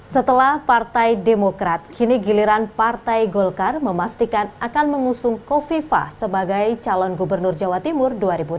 setelah partai demokrat kini giliran partai golkar memastikan akan mengusung kofifa sebagai calon gubernur jawa timur dua ribu delapan belas